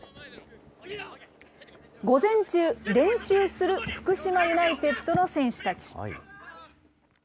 午前中、練習する福島ユナイテッドの選手たち。